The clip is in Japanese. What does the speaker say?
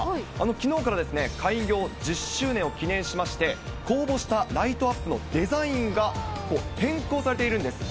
きのうから開業１０周年を記念しまして、公募したライトアップのデザインが変更されているんです。